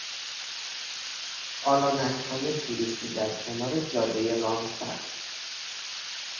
آلانکهای توریستی در کنار جادهی رامسر